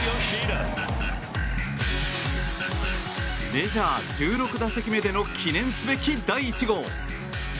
メジャー１６打席目での記念すべき第１号。